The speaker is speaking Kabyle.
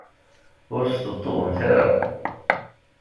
Ur sṭebṭubemt ara.